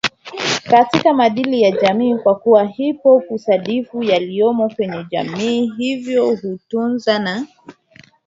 katika maadili ya jamii kwakuwa hip hop husadifu yaliyo kwenye jamii hivyo hutunza na